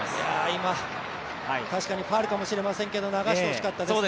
今、確かにファウルかもしれませんけど流してほしかったですね。